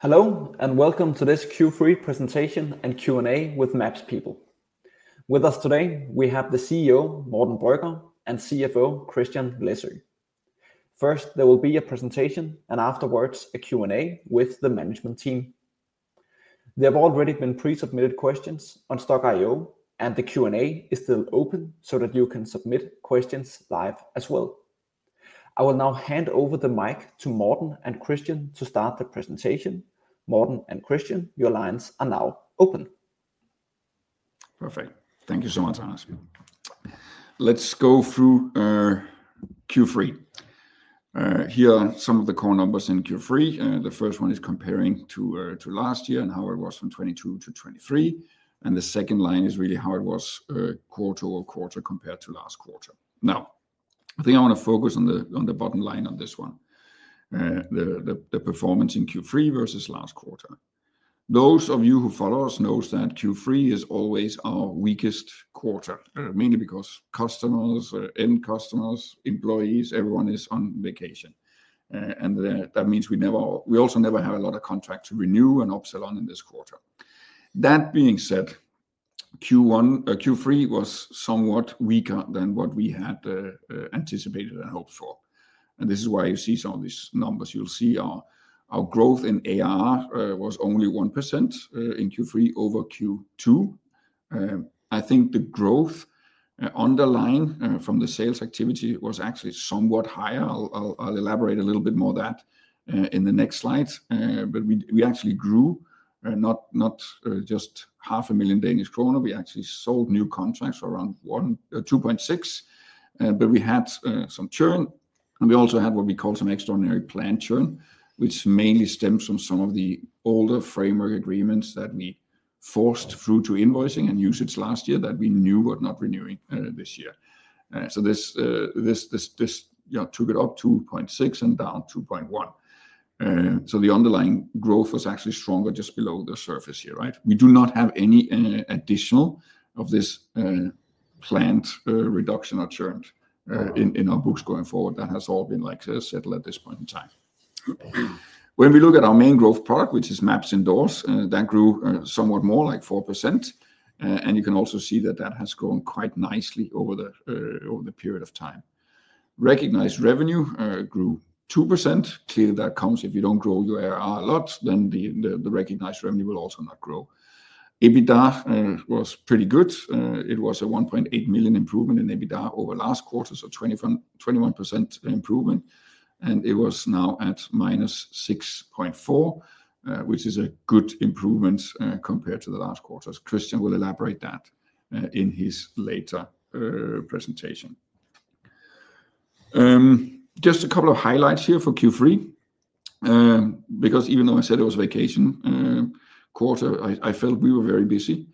Hello, and welcome to this Q3 presentation and Q&A with MapsPeople. With us today, we have the CEO, Morten Brøgger, and CFO, Christian Læsø. First, there will be a presentation, and afterwards, a Q&A with the management team. There have already been pre-submitted questions on Stokk.io, and the Q&A is still open so that you can submit questions live as well. I will now hand over the mic to Morten and Christian to start the presentation. Morten and Christian, your lines are now open. Perfect. Thank you so much, Anders. Let's go through Q3. Here are some of the core numbers in Q3. The first one is comparing to last year and how it was from 2022-2023, and the second line is really how it was quarter over quarter compared to last quarter. Now, I think I want to focus on the bottom line on this one, the performance in Q3 versus last quarter. Those of you who follow us know that Q3 is always our weakest quarter, mainly because customers, end customers, employees, everyone is on vacation, and that means we also never have a lot of contracts to renew and upsell on in this quarter. That being said, Q3 was somewhat weaker than what we had anticipated and hoped for, and this is why you see some of these numbers. You'll see our growth in ARR was only 1% in Q3 over Q2. I think the growth underlying from the sales activity was actually somewhat higher. I'll elaborate a little bit more on that in the next slides. But we actually grew not just 500,000 Danish kroner. We actually sold new contracts for around 2.6 million. But we had some churn. And we also had what we call some extraordinary planned churn, which mainly stems from some of the older framework agreements that we forced through to invoicing and usage last year that we knew were not renewing this year. So this took it up 2.6 million and down 2.1 million. So the underlying growth was actually stronger just below the surface here, right? We do not have any additional of this planned reduction or churn in our books going forward. That has all been settled at this point in time. When we look at our main growth part, which is MapsIndoors, that grew somewhat more, like 4%. And you can also see that that has grown quite nicely over the period of time. Recognized revenue grew 2%. Clearly, that comes if you don't grow your ARR a lot, then the recognized revenue will also not grow. EBITDA was pretty good. It was a 1.8 million improvement in EBITDA over last quarter, so 21% improvement. And it was now at minus 6.4, which is a good improvement compared to the last quarter. Christian will elaborate that in his later presentation. Just a couple of highlights here for Q3, because even though I said it was vacation quarter, I felt we were very busy.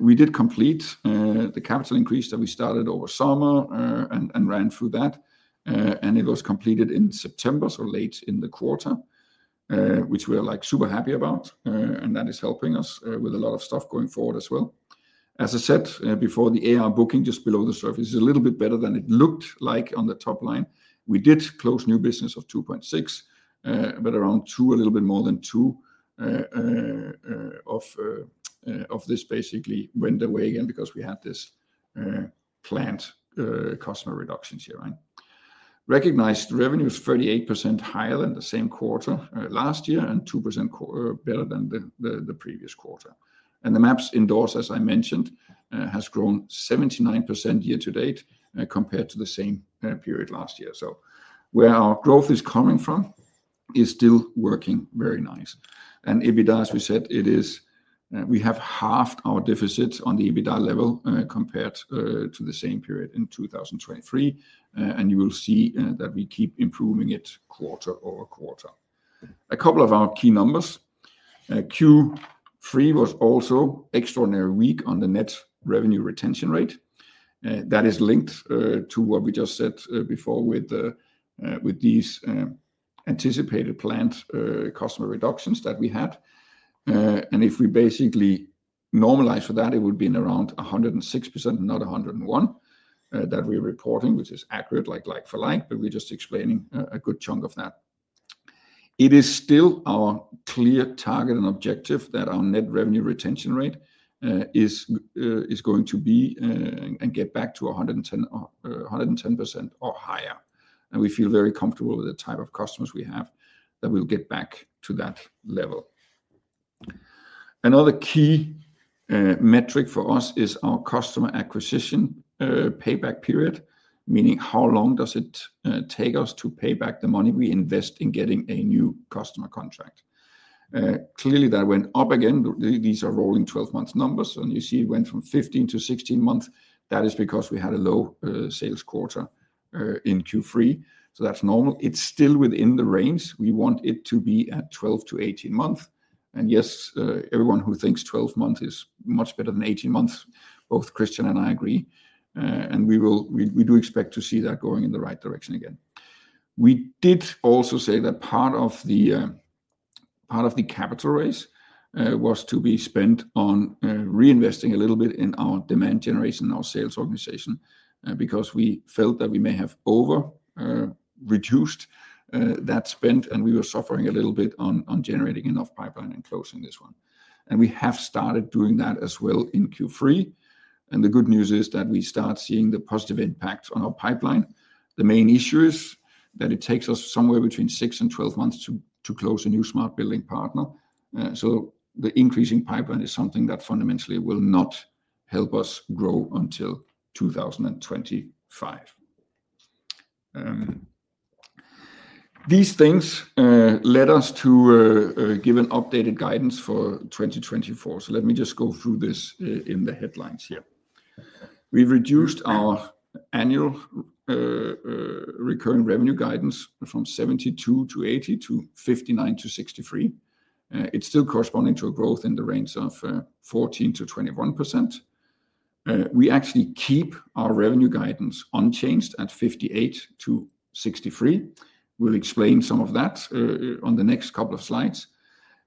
We did complete the capital increase that we started over summer and ran through that. It was completed in September, so late in the quarter, which we are super happy about. That is helping us with a lot of stuff going forward as well. As I said before, the ARR booking just below the surface is a little bit better than it looked like on the top line. We did close new business of 2.6, but around two, a little bit more than two of this basically went away again because we had this planned customer reductions here, right? Recognized revenue is 38% higher than the same quarter last year and 2% better than the previous quarter. The MapsIndoors, as I mentioned, has grown 79% year to date compared to the same period last year. Where our growth is coming from is still working very nice. EBITDA, as we said, we have halved our deficit on the EBITDA level compared to the same period in 2023. You will see that we keep improving it quarter over quarter. A couple of our key numbers. Q3 was also extraordinarily weak on the net revenue retention rate. That is linked to what we just said before with these anticipated planned customer reductions that we had. If we basically normalize for that, it would be around 106%, not 101%, that we're reporting, which is accurate like for like, but we're just explaining a good chunk of that. It is still our clear target and objective that our net revenue retention rate is going to be and get back to 110% or higher. We feel very comfortable with the type of customers we have that will get back to that level. Another key metric for us is our customer acquisition payback period, meaning how long does it take us to pay back the money we invest in getting a new customer contract. Clearly, that went up again. These are rolling 12-month numbers. And you see it went from 15-16 months. That is because we had a low sales quarter in Q3. So that's normal. It's still within the range. We want it to be at 12 -18 months. And yes, everyone who thinks 12 months is much better than 18 months, both Christian and I agree. And we do expect to see that going in the right direction again. We did also say that part of the capital raise was to be spent on reinvesting a little bit in our demand generation, our sales organization, because we felt that we may have over-reduced that spend. And we were suffering a little bit on generating enough pipeline and closing this one. And we have started doing that as well in Q3. And the good news is that we start seeing the positive impact on our pipeline. The main issue is that it takes us somewhere between six and 12 months to close a new smart building partner. So the increasing pipeline is something that fundamentally will not help us grow until 2025. These things led us to give an updated guidance for 2024. So let me just go through this in the headlines here. We reduced our annual recurring revenue guidance from 72-80 to 59-63. It's still corresponding to a growth in the range of 14%-21%. We actually keep our revenue guidance unchanged at 58-63. We'll explain some of that on the next couple of slides.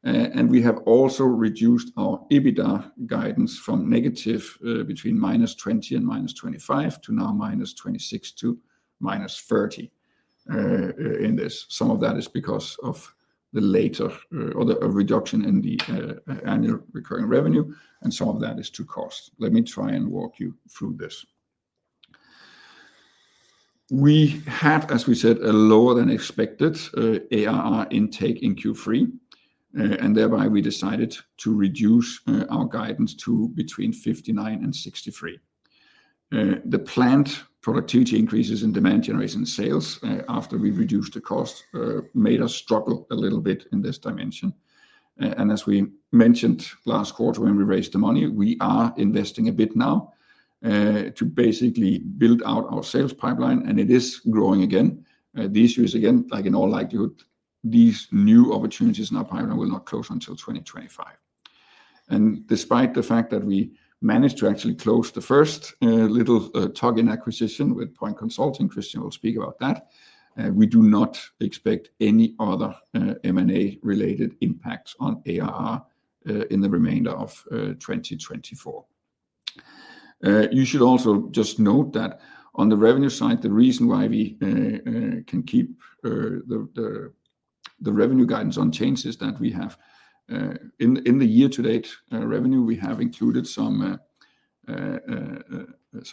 And we have also reduced our EBITDA guidance from negative between minus 20 and minus 25 to now minus 26 to minus 30 in this. Some of that is because of the later reduction in the annual recurring revenue. And some of that is to cost. Let me try and walk you through this. We have, as we said, a lower than expected ARR intake in Q3. And thereby, we decided to reduce our guidance to between 59 and 63. The planned productivity increases in demand generation sales after we reduced the cost made us struggle a little bit in this dimension. And as we mentioned last quarter, when we raised the money, we are investing a bit now to basically build out our sales pipeline. And it is growing again. This year is, again, like in all likelihood, these new opportunities in our pipeline will not close until 2025. Despite the fact that we managed to actually close the first little tuck-in acquisition with Point Consulting, Christian will speak about that. We do not expect any other M&A-related impacts on ARR in the remainder of 2024. You should also just note that on the revenue side, the reason why we can keep the revenue guidance unchanged is that we have in the year-to-date revenue, we have included some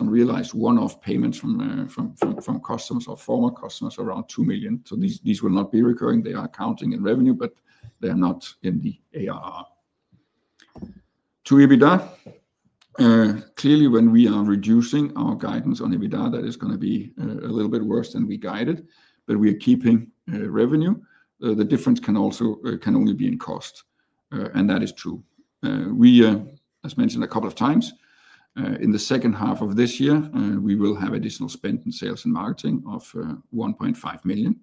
realized one-off payments from customers or former customers around 2 million. So these will not be recurring. They are accounting and revenue, but they are not in the ARR. To EBITDA, clearly, when we are reducing our guidance on EBITDA, that is going to be a little bit worse than we guided. But we are keeping revenue. The difference can only be in cost. That is true. We, as mentioned a couple of, in the second half of this year, we will have additional spend in sales and marketing of 1.5 million.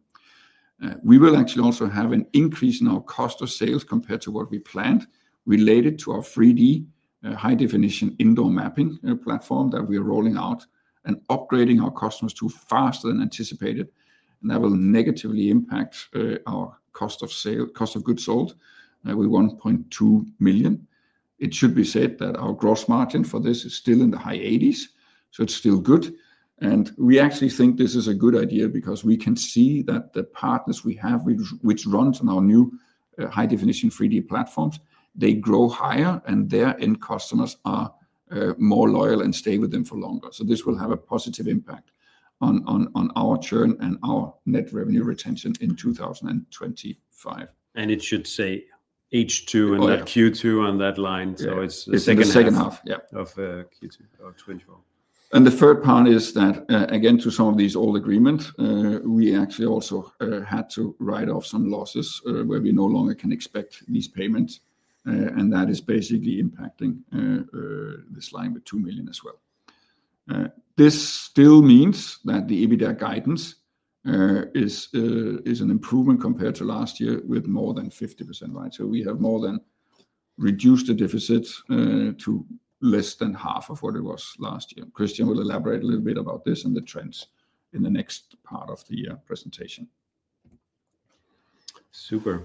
We will actually also have an increase in our cost of sales compared to what we planned related to our 3D high-definition indoor mapping platform that we are rolling out and upgrading our customers to faster than anticipated, and that will negatively impact our cost of goods sold with 1.2 million. It should be said that our gross margin for this is still in the high 80s%, so it's still good, and we actually think this is a good idea because we can see that the partners we have, which run on our new high-definition 3D platforms, they grow higher, and their end customers are more loyal and stay with them for longer. This will have a positive impact on our churn and our net revenue retention in 2025. And it should say H2 and that Q2 on that line. So it's the second half of Q2 of 2024. And the third part is that, again, to some of these old agreements, we actually also had to write off some losses where we no longer can expect these payments. And that is basically impacting this line with 2 million as well. This still means that the EBITDA guidance is an improvement compared to last year with more than 50%. So we have more than reduced the deficit to less than half of what it was last year. Christian will elaborate a little bit about this and the trends in the next part of the presentation. Super.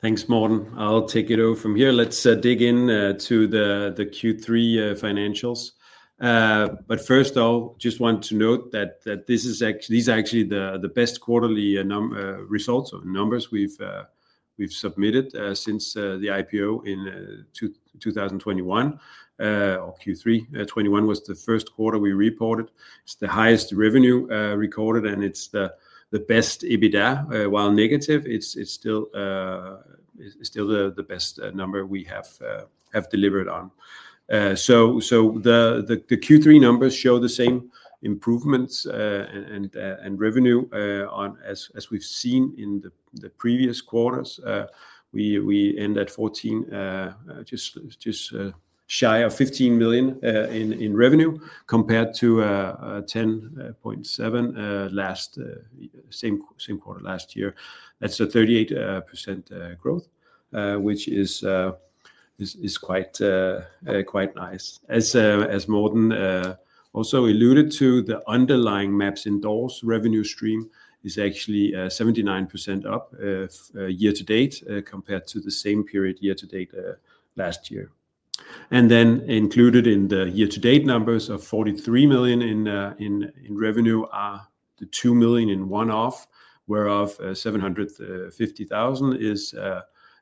Thanks, Morten. I'll take it over from here. Let's dig into the Q3 financials, but first, I just want to note that these are actually the best quarterly results or numbers we've submitted since the IPO in 2021 or Q3 2021 was the first quarter we reported. It's the highest revenue recorded, and it's the best EBITDA. While negative, it's still the best number we have delivered on, so the Q3 numbers show the same improvements and revenue as we've seen in the previous quarters. We end at 14 million, just shy of 15 million in revenue compared to 10.7 million last same quarter last year. That's a 38% growth, which is quite nice. As Morten also alluded to, the underlying MapsIndoors revenue stream is actually 79% up year to date compared to the same period year to date last year. Then included in the year-to-date numbers of 43 million in revenue are the 2 million in one-off, whereof 750,000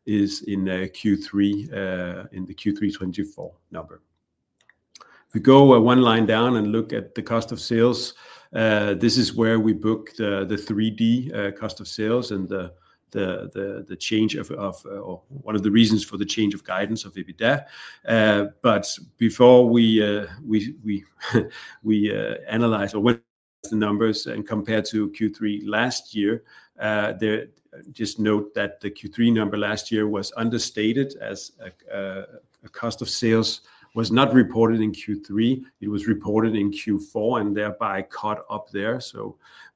is in Q3, in the Q3 2024 number. If we go one line down and look at the cost of sales, this is where we booked the cost of sales and the change of one of the reasons for the change of guidance of EBITDA. Before we analyze what the numbers and compare to Q3 last year, just note that the Q3 number last year was understated as cost of sales was not reported in Q3. It was reported in Q4 and thereby caught up there.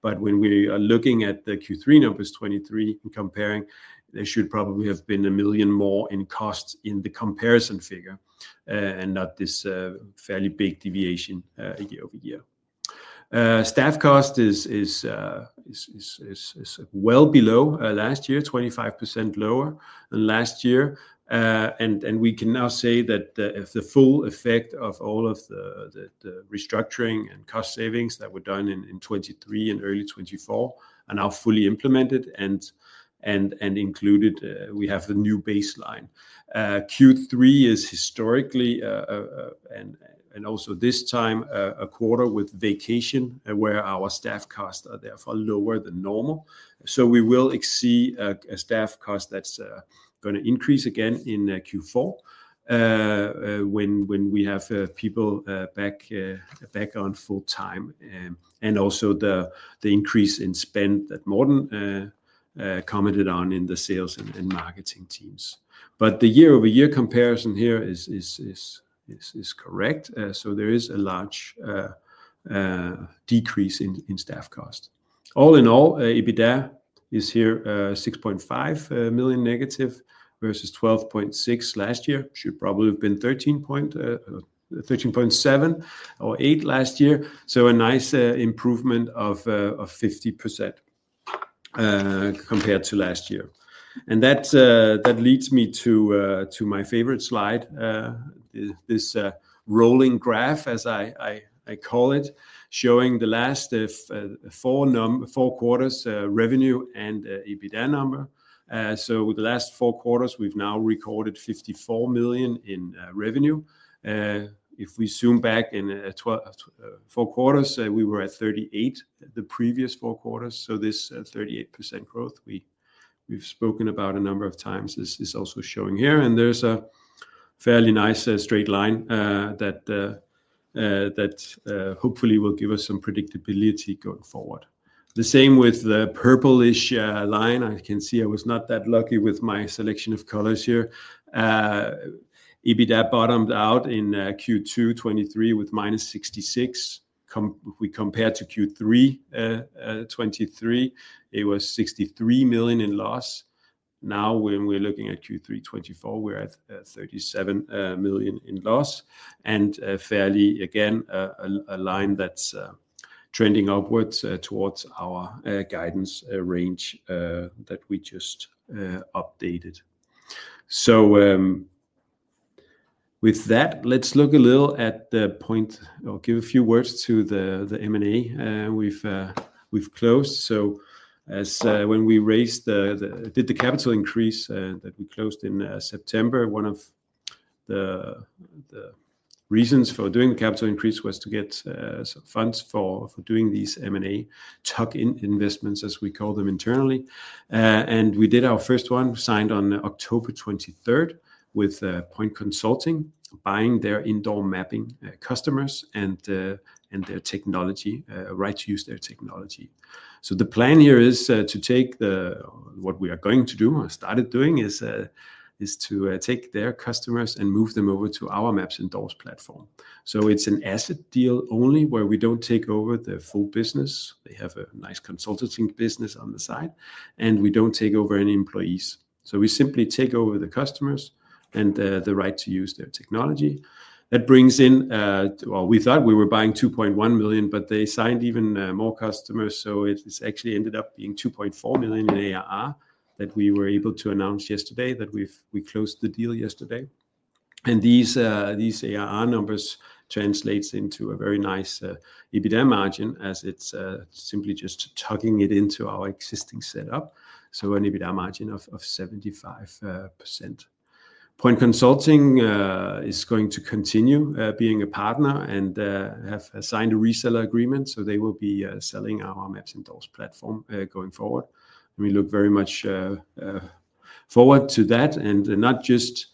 When we are looking at the Q3 numbers, 2023, comparing, there should probably have been a million more in cost in the comparison figure and not this fairly big deviation year over year. Staff cost is well below last year, 25% lower than last year, and we can now say that the full effect of all of the restructuring and cost savings that were done in 2023 and early 2024 are now fully implemented and included. We have a new baseline. Q3 is historically and also this time a quarter with vacation where our staff costs are therefore lower than normal, so we will exceed a staff cost that's going to increase again in Q4 when we have people back on full time, and also the increase in spend that Morten commented on in the sales and marketing teams, but the year-over-year comparison here is correct, so there is a large decrease in staff cost. All in all, EBITDA is here -6.5 million versus -12.6 million last year. It should probably have been -13.7 million or -8 million last year. So a nice improvement of 50% compared to last year. And that leads me to my favorite slide, this rolling graph, as I call it, showing the last four quarters revenue and EBITDA number. So the last four quarters, we've now recorded 54 million in revenue. If we zoom back in four quarters, we were at 38 million the previous four quarters. So this 38% growth we've spoken about a number of times is also showing here. And there's a fairly nice straight line that hopefully will give us some predictability going forward. The same with the purplish line. I can see I was not that lucky with my selection of colors here. EBITDA bottomed out in Q2 2023 with -66 million. Compared to Q3 2023, it was 63 million in loss. Now, when we're looking at Q3 2024, we're at 37 million in loss. And fairly, again, a line that's trending upwards towards our guidance range that we just updated. So with that, let's look a little at Point or give a few words to the M&A. We've closed. So when we raised the capital increase that we closed in September, one of the reasons for doing the capital increase was to get some funds for doing these M&A tuck-in investments, as we call them internally. And we did our first one signed on October 23rd with Point Consulting, buying their indoor mapping customers and their technology, right to use their technology. So the plan here is to take what we are going to do or started doing is to take their customers and move them over to our MapsIndoors platform. So it's an asset deal only where we don't take over the full business. They have a nice consulting business on the side. And we don't take over any employees. So we simply take over the customers and the right to use their technology. That brings in, well, we thought we were buying 2.1 million, but they signed even more customers. So it actually ended up being 2.4 million in ARR that we were able to announce yesterday that we closed the deal yesterday. And these ARR numbers translate into a very nice EBITDA margin as it's simply just tucking it into our existing setup. So an EBITDA margin of 75%. Point Consulting is going to continue being a partner and have signed a reseller agreement. So they will be selling our MapsIndoors platform going forward. And we look very much forward to that and not just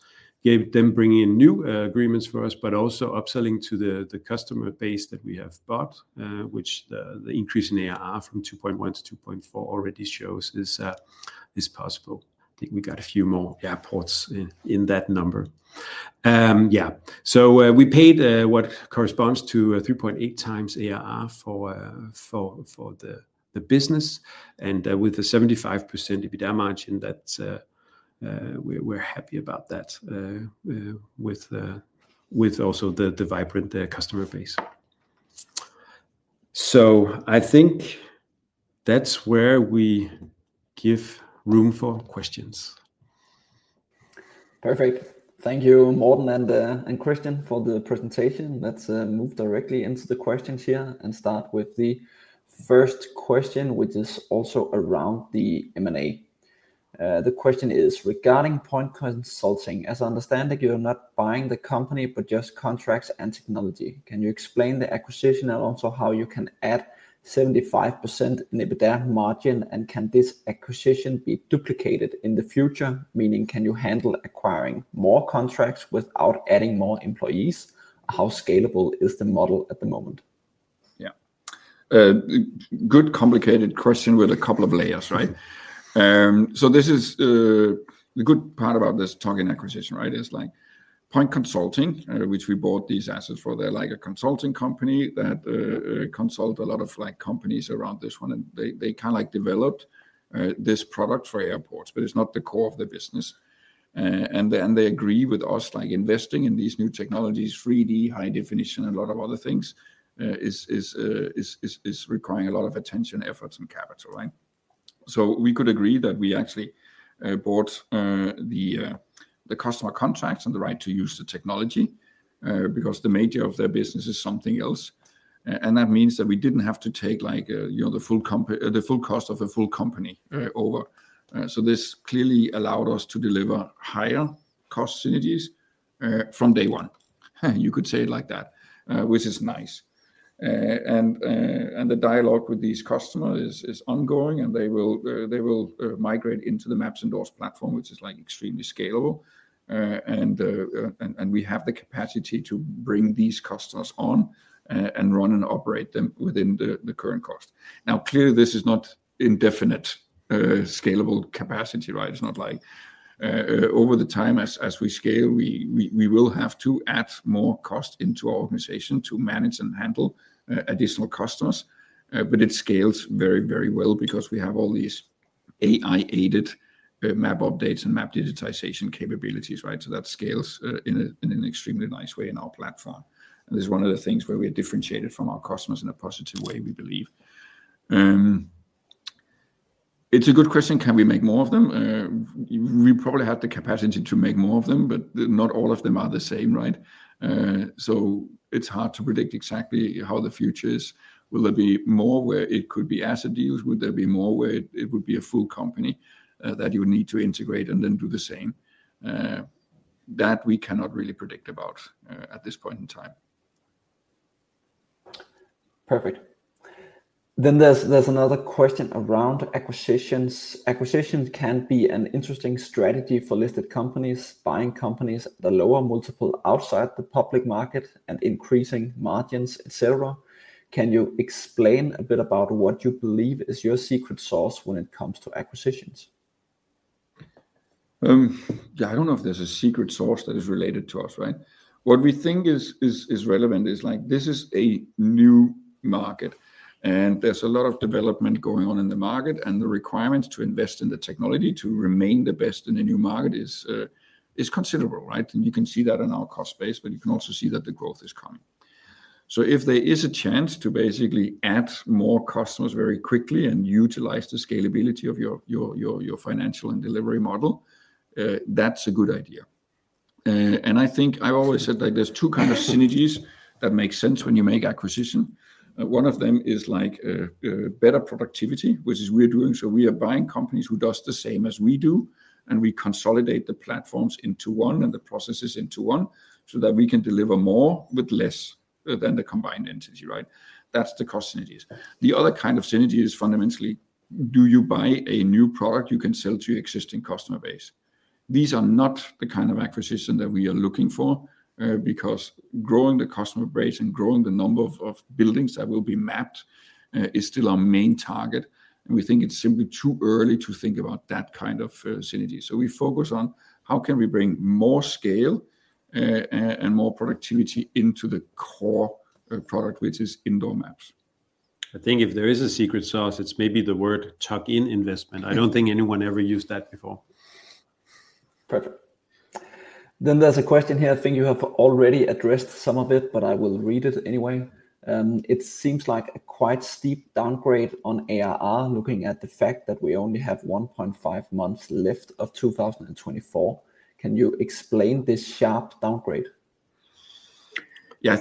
them bringing in new agreements for us, but also upselling to the customer base that we have bought, which the increase in ARR from 2.1 to 2.4 already shows is possible. I think we got a few more airports in that number. Yeah. So we paid what corresponds to 3.8x ARR for the business. And with the 75% EBITDA margin, we're happy about that with also the vibrant customer base. So I think that's where we give room for questions. Perfect. Thank you, Morten and Christian for the presentation. Let's move directly into the questions here and start with the first question, which is also around the M&A. The question is regarding Point Consulting. As I understand it, you're not buying the company but just contracts and technology. Can you explain the acquisition and also how you can add 75% in EBITDA margin? Can this acquisition be duplicated in the future? Meaning, can you handle acquiring more contracts without adding more employees? How scalable is the model at the moment? Yeah. Good, complicated question with a couple of layers, right? So this is the good part about this tuck-in acquisition, right? It's like Point Consulting, which we bought these assets for, they're like a consulting company that consults a lot of companies around this one. And they kind of developed this product for airports, but it's not the core of the business. And they agree with us, like investing in these new technologies, 3D, high definition, and a lot of other things is requiring a lot of attention, efforts, and capital, right? So we could agree that we actually bought the customer contracts and the right to use the technology because the major of their business is something else. And that means that we didn't have to take the full cost of a full company over. So this clearly allowed us to deliver higher cost synergies from day one. You could say it like that, which is nice, and the dialogue with these customers is ongoing, and they will migrate into the MapsIndoors platform, which is extremely scalable, and we have the capacity to bring these customers on and run and operate them within the current cost. Now, clearly, this is not indefinite scalable capacity, right? It's not like over the time as we scale, we will have to add more cost into our organization to manage and handle additional customers, but it scales very, very well because we have all these AI-aided map updates and map digitization capabilities, right, so that scales in an extremely nice way in our platform, and this is one of the things where we are differentiated from our customers in a positive way, we believe. It's a good question. Can we make more of them? We probably have the capacity to make more of them, but not all of them are the same, right? So it's hard to predict exactly how the future is. Will there be more where it could be asset deals? Would there be more where it would be a full company that you would need to integrate and then do the same? That we cannot really predict about at this point in time. Perfect. Then there's another question around acquisitions. Acquisitions can be an interesting strategy for listed companies buying companies at a lower multiple outside the public market and increasing margins, etc. Can you explain a bit about what you believe is your secret sauce when it comes to acquisitions? Yeah, I don't know if there's a secret sauce that is related to us, right? What we think is relevant is this is a new market. And there's a lot of development going on in the market. And the requirements to invest in the technology to remain the best in a new market is considerable, right? And you can see that in our cost base, but you can also see that the growth is coming. So if there is a chance to basically add more customers very quickly and utilize the scalability of your financial and delivery model, that's a good idea. And I think I've always said there's two kinds of synergies that make sense when you make acquisition. One of them is better productivity, which is we're doing. So we are buying companies who do the same as we do. And we consolidate the platforms into one and the processes into one so that we can deliver more with less than the combined entity, right? That's the cost synergies. The other kind of synergy is, fundamentally, do you buy a new product you can sell to your existing customer base? These are not the kind of acquisition that we are looking for because growing the customer base and growing the number of buildings that will be mapped is still our main target. And we think it's simply too early to think about that kind of synergy. So we focus on how can we bring more scale and more productivity into the core product, which is indoor maps. I think if there is a secret sauce, it's maybe the word tuck-in investment. I don't think anyone ever used that before. Perfect. Then there's a question here. I think you have already addressed some of it, but I will read it anyway. It seems like a quite steep downgrade on ARR, looking at the fact that we only have 1.5 months left of 2024. Can you explain this sharp downgrade? Yeah, I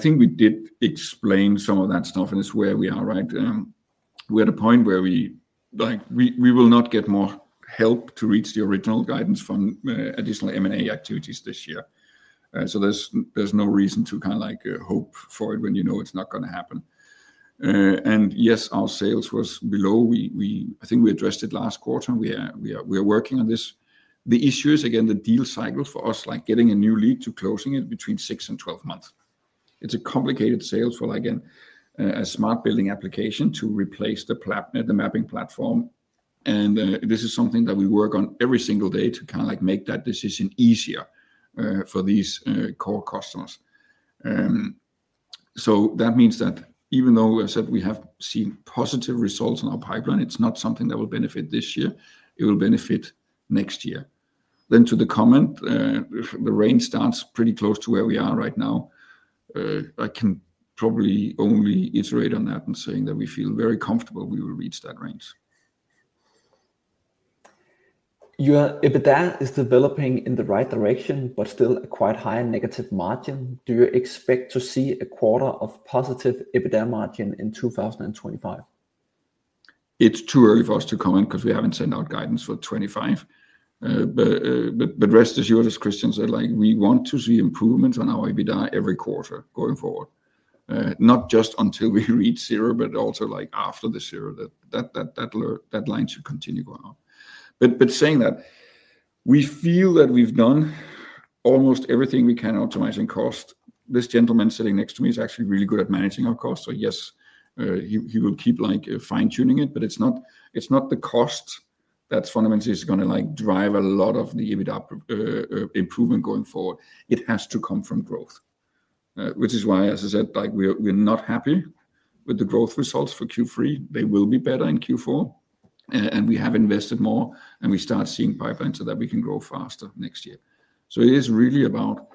think we did explain some of that stuff. And it's where we are, right? We're at a point where we will not get more help to reach the original guidance from additional M&A activities this year. So there's no reason to kind of hope for it when you know it's not going to happen. And yes, our sales was below. I think we addressed it last quarter. We are working on this. The issue is, again, the deal cycle for us, like getting a new lead to closing it between six and 12 months. It's a complicated sales for like a smart building application to replace the mapping platform. And this is something that we work on every single day to kind of make that decision easier for these core customers. So that means that even though we have said we have seen positive results in our pipeline, it's not something that will benefit this year. It will benefit next year. Then to the comment, the range starts pretty close to where we are right now. I can probably only iterate on that and saying that we feel very comfortable we will reach that range. Your EBITDA is developing in the right direction, but still quite a high negative margin. Do you expect to see a quarter of positive EBITDA margin in 2025? It's too early for us to comment because we haven't sent out guidance for 2025, but rest assured, as Christian said, we want to see improvements on our EBITDA every quarter going forward, not just until we reach zero, but also after the zero. That line should continue going up, but saying that, we feel that we've done almost everything we can optimizing cost. This gentleman sitting next to me is actually really good at managing our cost. So yes, he will keep fine-tuning it, but it's not the cost that fundamentally is going to drive a lot of the EBITDA improvement going forward. It has to come from growth, which is why, as I said, we're not happy with the growth results for Q3. They will be better in Q4, and we have invested more, and we start seeing pipelines so that we can grow faster next year. So it is really about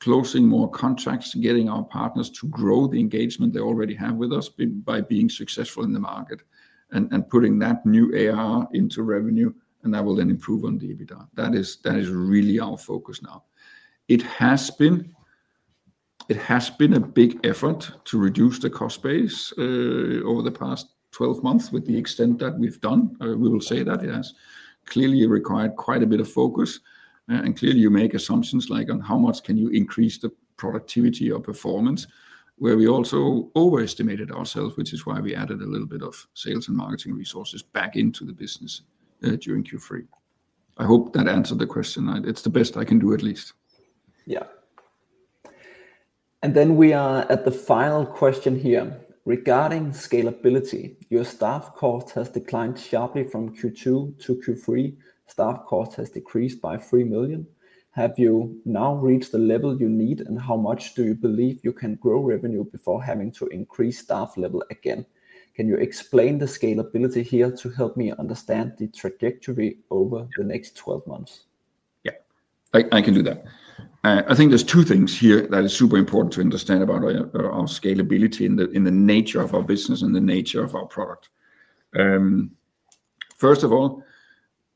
closing more contracts, getting our partners to grow the engagement they already have with us by being successful in the market and putting that new ARR into revenue. And that will then improve on the EBITDA. That is really our focus now. It has been a big effort to reduce the cost base over the past 12 months with the extent that we've done. We will say that it has clearly required quite a bit of focus. And clearly, you make assumptions like on how much can you increase the productivity or performance, where we also overestimated ourselves, which is why we added a little bit of sales and marketing resources back into the business during Q3. I hope that answered the question. It's the best I can do at least. Yeah. And then we are at the final question here. Regarding scalability, your staff cost has declined sharply from Q2 to Q3. Staff cost has decreased by 3 million. Have you now reached the level you need? And how much do you believe you can grow revenue before having to increase staff level again? Can you explain the scalability here to help me understand the trajectory over the next 12 months? Yeah, I can do that. I think there's two things here that are super important to understand about our scalability and the nature of our business and the nature of our product. First of all,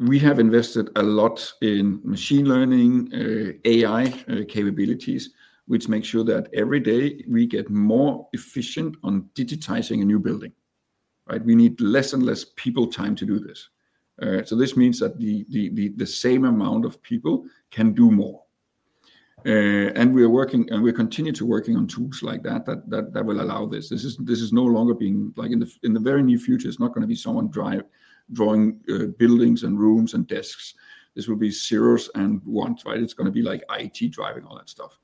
we have invested a lot in machine learning, AI capabilities, which makes sure that every day we get more efficient on digitizing a new building, right? We need less and less people time to do this. So this means that the same amount of people can do more. And we are working and we continue to work on tools like that that will allow this. This is no longer being like in the very near future, it's not going to be someone drawing buildings and rooms and desks. This will be zeros and ones, right? It's going to be like IT driving all that stuff.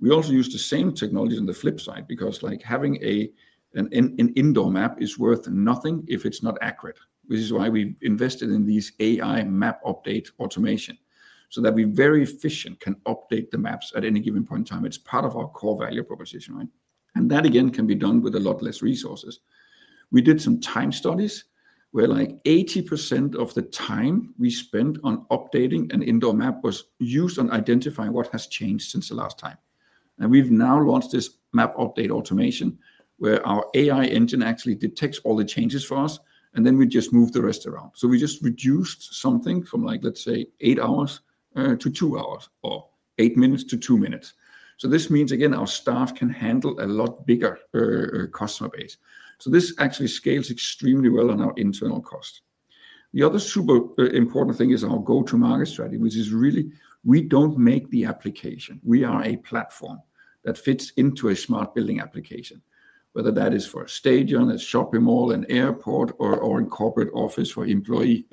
We also use the same technology on the flip side because having an indoor map is worth nothing if it's not accurate. This is why we've invested in these AI map update automation so that we very efficiently can update the maps at any given point in time. It's part of our core value proposition, right? And that, again, can be done with a lot less resources. We did some time studies where like 80% of the time we spent on updating an indoor map was used on identifying what has changed since the last time. And we've now launched this map update automation where our AI engine actually detects all the changes for us. And then we just move the rest around. So we just reduced something from like, let's say, eight hours to two hours or eight minutes to two minutes. So this means, again, our staff can handle a lot bigger customer base. So this actually scales extremely well on our internal cost. The other super important thing is our go-to-market strategy, which is really we don't make the application. We are a platform that fits into a smart building application, whether that is for a stadium, a shopping mall, an airport, or in corporate office for employee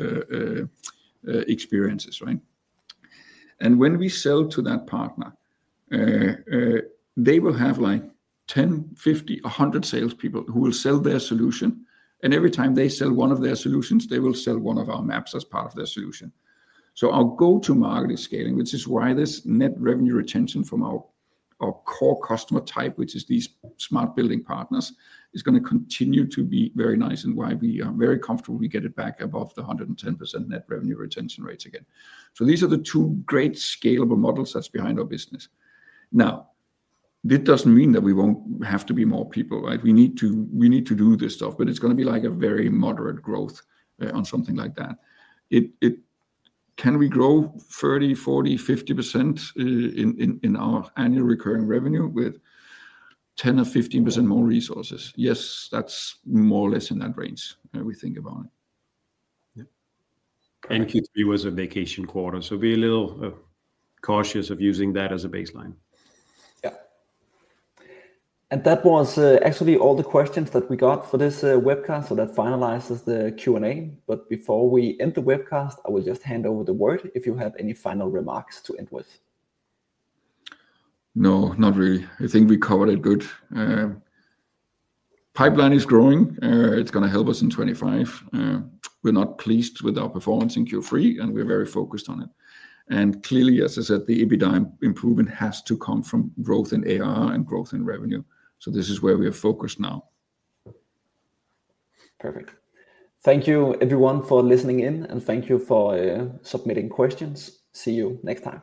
experiences, right? And when we sell to that partner, they will have like 10, 50, 100 salespeople who will sell their solution. And every time they sell one of their solutions, they will sell one of our maps as part of their solution. So our go-to-market is scaling, which is why this net revenue retention from our core customer type, which is these smart building partners, is going to continue to be very nice. And why we are very comfortable we get it back above the 110% net revenue retention rates again. So these are the two great scalable models that's behind our business. Now, it doesn't mean that we won't have to be more people, right? We need to do this stuff. But it's going to be like a very moderate growth on something like that. Can we grow 30%-50% in our annual recurring revenue with 10% or 15% more resources? Yes, that's more or less in that range when we think about it. Q3 was a vacation quarter. Be a little cautious of using that as a baseline. Yeah. And that was actually all the questions that we got for this webcast. So that finalizes the Q&A. But before we end the webcast, I will just hand over the word if you have any final remarks to end with. No, not really. I think we covered it good. Pipeline is growing. It's going to help us in 2025. We're not pleased with our performance in Q3. We're very focused on it and clearly, as I said, the EBITDA improvement has to come from growth in ARR and growth in revenue, so this is where we are focused now. Perfect. Thank you, everyone, for listening in. And thank you for submitting questions. See you next time.